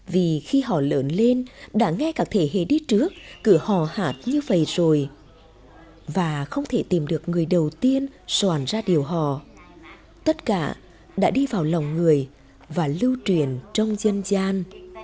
vì khi họ lớn lên đã nghe các thế hệ đi trước cử hò hạt như vậy rồi và không thể tìm được người đầu tiên soàn ra điều hò tất cả đã đi vào lòng người và lưu truyền trong dân gian